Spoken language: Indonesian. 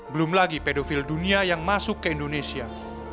belum lagi pedofil dunia yang masuk ke indonesia